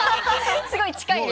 すごい近いですね。